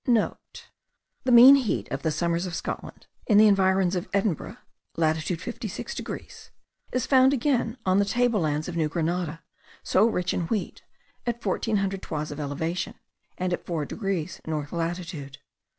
(* The mean heat of the summers of Scotland in the environs of Edinburgh, (latitude 56 degrees), is found again on the table lands of New Grenada, so rich in wheat, at 1400 toises of elevation, and at 4 degrees north latitude.